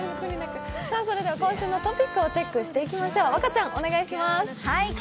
今週のトピックをチェックしていきましょう。